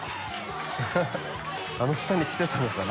あの下に着てたのかな？